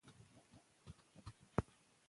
مطالعه د ذهني سکون او آرامۍ لامل ګرځي.